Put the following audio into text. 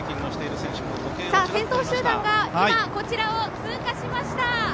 先頭集団が今、こちらを通過しました。